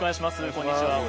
こんにちは。